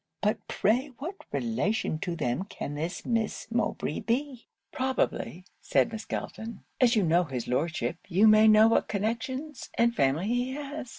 But pray what relation to them can this Miss Mowbray be?' 'Probably,' said Miss Galton, 'as you know his Lordship, you may know what connections and family he has.